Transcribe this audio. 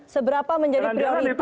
seberapa menjadi prioritas